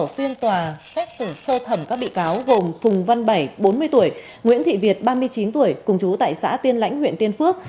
phiên tòa xét xử sơ thẩm các bị cáo gồm phùng văn bảy bốn mươi tuổi nguyễn thị việt ba mươi chín tuổi cùng chú tại xã tiên lãnh huyện tiên phước